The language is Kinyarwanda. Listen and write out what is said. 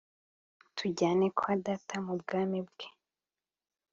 tujyane kwa data mu bwami bwe :